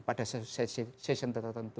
pada session tertentu